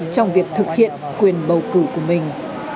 trong việc thực hiện quyền bầu cử của mình